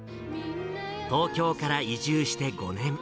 東京から移住して５年。